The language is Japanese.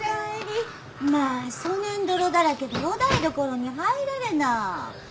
まあそねん泥だらけでお台所に入られな。